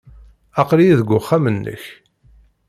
Aql-iyi deg uxxam-nnek.